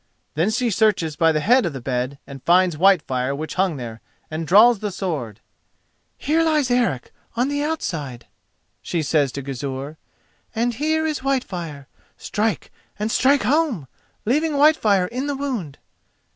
Then she searches by the head of the bed and finds Whitefire which hung there, and draws the sword. "Here lies Eric, on the outside," she says to Gizur, "and here is Whitefire. Strike and strike home, leaving Whitefire in the wound."